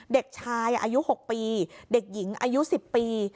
เด็กชายอายุ๖ปีเด็กหญิงอายุ๑๐ปี